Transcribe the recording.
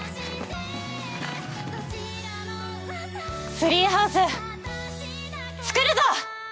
ツリーハウス作るぞ！